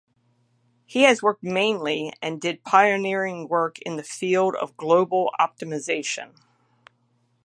He has worked mainly and did pioneering work in the field of global optimization.